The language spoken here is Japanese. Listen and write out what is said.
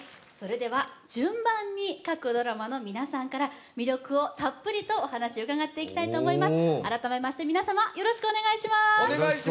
順番に各ドラマの皆さんから魅力をたっぷりとお話を伺っていきたいと思います。